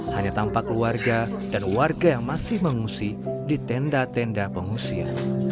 hanya tampak keluarga dan warga yang masih mengungsi di tenda tenda pengungsian